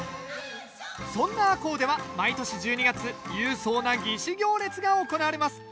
そんな赤穂では毎年１２月勇壮な義士行列が行われます。